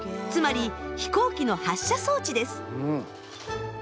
つまり飛行機の発射装置です。